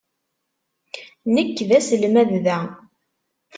Nekk d aselmad da.